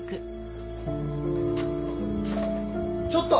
ちょっと！